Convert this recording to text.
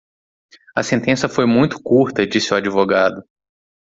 A sentença foi muito curta disse o advogado.